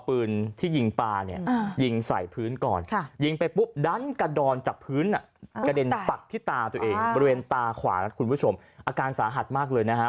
ภาพสยดสยองมากเลย